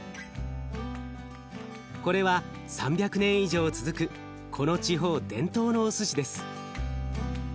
これは３００年以上続くこの地方伝統のおすしです。